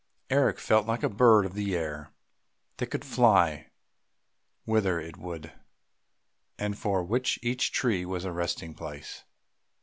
Eric felt like a bird of the air, that could fly whither it would, and for which each tree was a resting place.